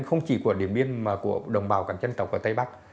không chỉ của điện biên mà của đồng bào các dân tộc ở tây bắc